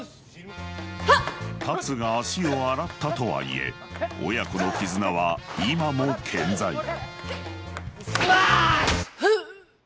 龍が足を洗ったとはいえ親子の絆は今も健在スマッシュ！